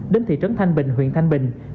đến thị trấn thanh bình huyện thanh bình